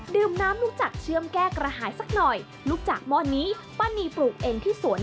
ดื่มน้ำลูกจักเชื่อมแก้กระหายสักหน่อย